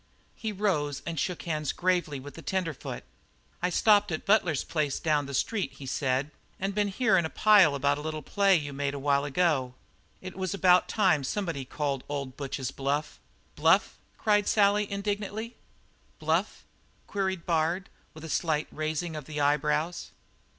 He rose and shook hands gravely with the tenderfoot. "I stopped at Butler's place down the street," he said, "and been hearin' a pile about a little play you made a while ago. It was about time for somebody to call old Butch's bluff." "Bluff?" cried Sally indignantly. "Bluff?" queried Bard, with a slight raising of the eyebrows.